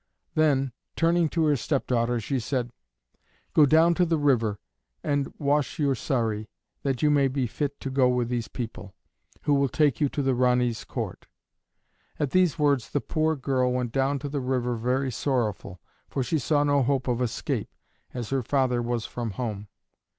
Then, turning to her stepdaughter, she said: "Go down to the river and wash your saree, that you may be fit to go with these people, who will take you to the Ranee's court." At these words the poor girl went down to the river very sorrowful, for she saw no hope of escape, as her father was from home.